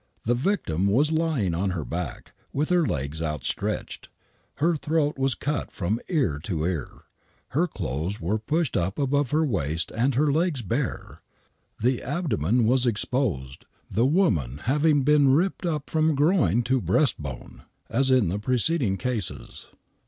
The victim was lying on her back,, with her legs outstretched. Her throat was cut from ear to ear. Her clothes were pushed up 30 THE WHITECHAPEI. MURDERS above her waist and her legs bare. The abdomen was exposed, the woman having been ripped up from groin to breast bone, as in the preceding cases.